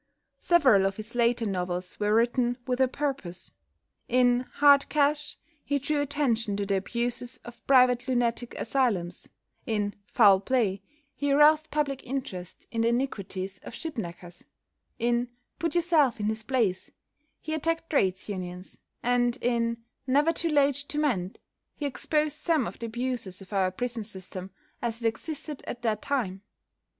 Several of his later novels were written "with a purpose." In "Hard Cash" he drew attention to the abuses of private lunatic asylums; in "Foul Play" he aroused public interest in the iniquities of ship knackers; in "Put Yourself in His Place," he attacked Trades Unions, and in "Never Too Late to Mend" he exposed some of the abuses of our prison system as it existed at that time.